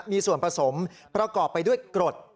มีส่วนผสมประกอบไปด้วยกรด